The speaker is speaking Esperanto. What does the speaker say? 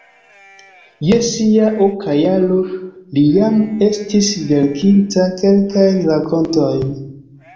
Je sia oka jaro li jam estis verkinta kelkajn rakontojn.